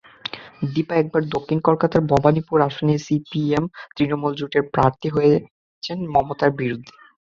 দীপা এবার দক্ষিণ কলকাতার ভবানীপুর আসনে সিপিএম-তৃণমূল জোটের প্রার্থী হয়েছেন মমতার বিরুদ্ধে।